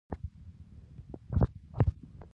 یو امپریالیستي هېواد بل هېواد ته پور ورکوي